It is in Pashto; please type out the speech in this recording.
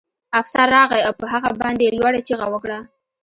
افسر راغی او په هغه باندې یې لوړه چیغه وکړه